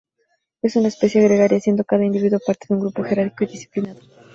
Es una especie gregaria, siendo cada individuo parte de un grupo jerárquico y disciplinado.